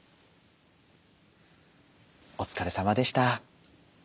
お疲れさまでした。